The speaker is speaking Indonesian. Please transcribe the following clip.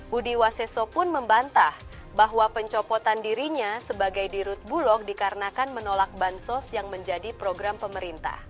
budi waseso pun membantah bahwa pencopotan dirinya sebagai dirut bulog dikarenakan menolak bansos yang menjadi program pemerintah